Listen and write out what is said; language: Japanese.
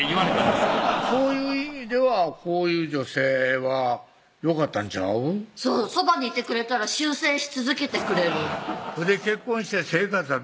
そういう意味ではこういう女性はよかったんちゃうそうそばにいてくれたら修正し続けてくれる結婚して生活はどうなんです？